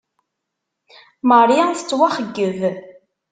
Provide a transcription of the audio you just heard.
Marie tettwaxeyyeb.